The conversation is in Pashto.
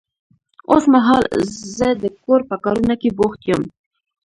اوس مهال زه د کور په کارونه کې بوخت يم.